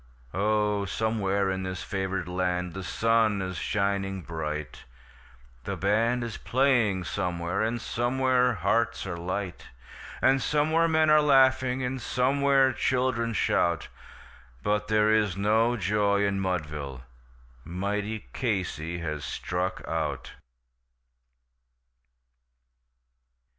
Oh, somewhere in this favoured land the sun is shining bright, The band is playing somewhere, and somewhere hearts are light, And somewhere men are laughing, and somewhere children shout; But there is no joy in Mudville mighty Casey has struck out.